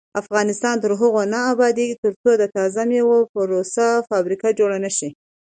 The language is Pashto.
افغانستان تر هغو نه ابادیږي، ترڅو د تازه میوو پروسس فابریکې جوړې نشي.